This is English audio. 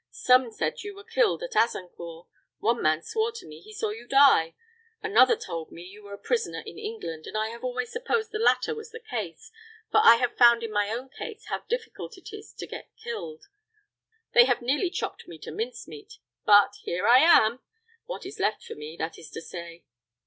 Some said you were killed at Azincourt. One man swore to me he saw you die. Another told me you were a prisoner in England; and I have always supposed the latter was the case, for I have found in my own case how difficult it is to get killed. They have nearly chopped me to mincemeat, but here I am what is left of me, that is to say."